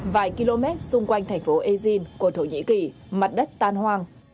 vài km xung quanh thành phố ein của thổ nhĩ kỳ mặt đất tan hoang